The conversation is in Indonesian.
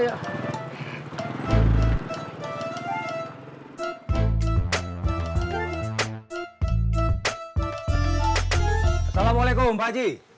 assalamualaikum pak haji